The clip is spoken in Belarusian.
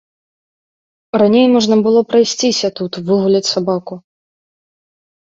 Раней можна было прайсціся тут, выгуляць сабаку.